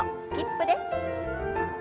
スキップです。